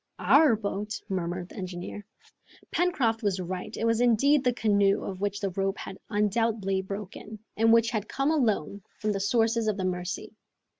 "Our boat?" murmured the engineer. Pencroft was right. It was indeed the canoe, of which the rope had undoubtedly broken, and which had come alone from the sources of the Mercy.